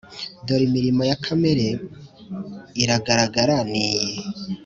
Dore imirimo ya kamere iragaragara ni iyi